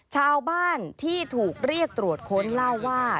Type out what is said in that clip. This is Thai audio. ชาวบ้านที่ถูกเรียกตรวจค้นเล่าว่า